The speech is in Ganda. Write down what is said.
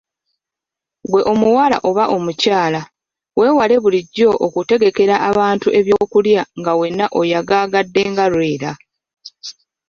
Ggwe omuwala oba omukyala, weewale bulijjo okutegekera abantu eby’okulya nga wenna oyagaagadde nga Lwera.